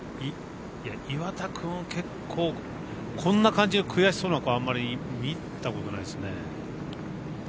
岩田君結構こんな感じで悔しそうな顔あんまり見たことないですね。